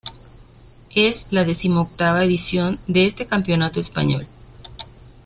Es la decimoctava edición de este campeonato español.